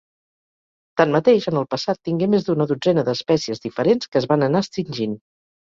Tanmateix, en el passat tingué més d'una dotzena d'espècies diferents que es van anar extingint.